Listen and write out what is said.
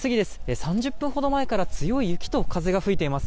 ３０分ほど前から強い雪と風が吹いています。